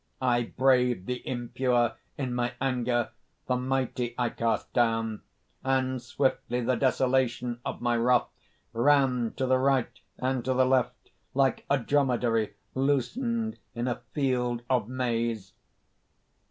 I brayed the impure in my anger; the mighty I cast down; and swiftly the desolation of my wrath ran to the right and to the left, like a dromedary loosened in a field of maize.